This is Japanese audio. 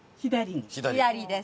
左です。